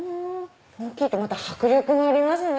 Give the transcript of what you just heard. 大きいとまた迫力がありますね。